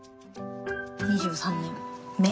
２３年目。